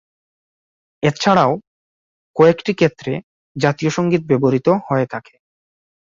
এছাড়াও কয়েকটি ক্ষেত্রে জাতীয় সংগীত ব্যবহৃত হয়ে থাকে।